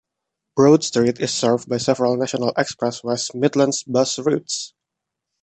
Broad Street is served by several National Express West Midlands bus routes.